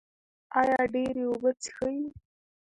ایا ډیرې اوبه څښئ؟